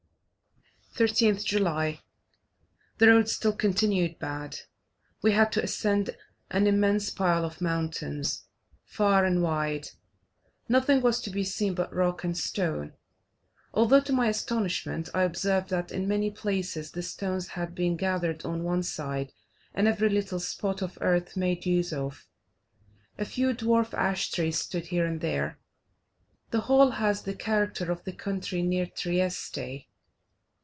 13th July. The road still continued bad; we had to ascend an immense pile of mountains. Far and wide, nothing was to be seen but rock and stone, although, to my astonishment, I observed that in many places the stones had been gathered on one side, and every little spot of earth made use of. A few dwarf ash trees stood here and there. The whole has the character of the country near Trieste.